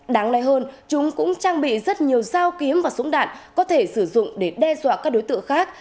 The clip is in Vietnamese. đáng lo hơn chúng cũng trang bị rất nhiều dao kiếm và súng đạn có thể sử dụng để đe dọa các đối tượng khác